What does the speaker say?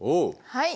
はい。